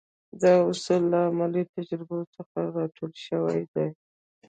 دا اصول له عملي تجربو څخه را ټول شوي دي.